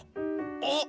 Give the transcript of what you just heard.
あっ！